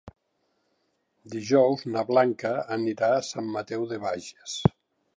Dijous na Blanca anirà a Sant Mateu de Bages.